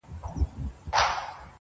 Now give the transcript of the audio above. • د سترگو د ملا خاوند دی.